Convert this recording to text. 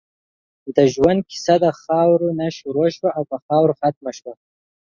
د ژؤند قیصه د خاؤرې نه شروع شوه او پۀ خاؤره ختمه شوه